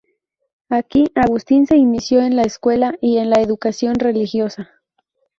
Aquí Agustín se inició en la escuela y en la educación religiosa.